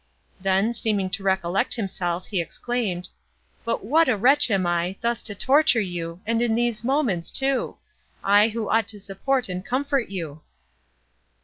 Then seeming to recollect himself, he exclaimed, "But what a wretch am I, thus to torture you, and in these moments, too! I, who ought to support and comfort you!"